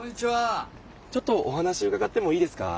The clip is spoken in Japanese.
ちょっとお話うかがってもいいですか？